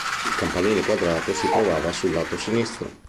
Il campanile quadrato si trovava sul lato sinistro.